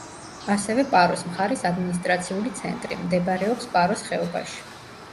ასევე პაროს მხარის ადმინისტრაციული ცენტრი, მდებარეობს პაროს ხეობაში.